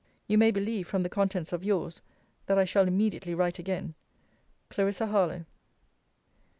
You may believe, from the contents of yours, that I shall immediately write again. CLARISSA HARLOWE.